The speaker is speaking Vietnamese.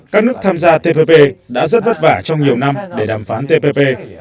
các nước tham gia tvp đã rất vất vả trong nhiều năm để đàm phán tpp